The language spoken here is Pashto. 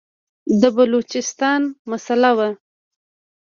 د بلوچستان مسله وه.